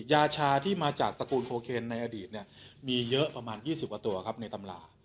ยาชาที่มาจากตระกูลโคเคนในอดีตมีเยอะประมาณ๒๐กว่าตัวครับในตำรา